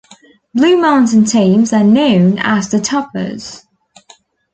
Blue Mountain teams are known as the Toppers.